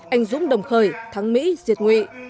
anh dũng đồng khởi thắng mỹ diệt nguyện